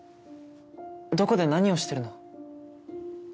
どこで何をしてるの？